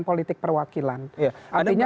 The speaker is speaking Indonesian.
politik perwakilan artinya